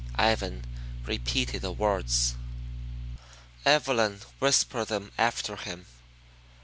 Ivan, repeated the words. Evelyn whispered them after him.